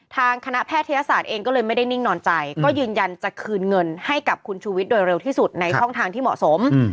ทางคณะแพทยศาสตร์เองก็เลยไม่ได้นิ่งนอนใจก็ยืนยันจะคืนเงินให้กับคุณชูวิทย์โดยเร็วที่สุดในช่องทางที่เหมาะสม